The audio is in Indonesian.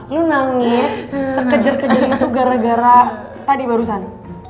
lu nangis sekejar kejar itu gara gara tadi barusan